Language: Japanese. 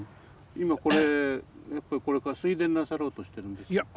今これやっぱりこれから水田なさろうとしてるんですか？